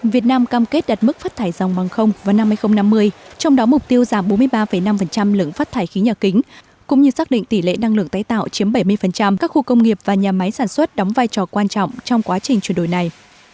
việt nam cam kết đặt mức phát thải dòng bằng không vào năm hai nghìn năm mươi trong đó mục tiêu giảm bốn mươi ba năm lượng phát thải khí nhà kính cũng như xác định tỷ lệ năng lượng tái tạo chiếm bảy mươi các khu công nghiệp và nhà máy sản xuất đóng vai trò quan trọng trong quá trình chuyển đổi này